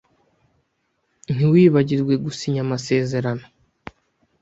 Ntiwibagirwe gusinya amasezerano.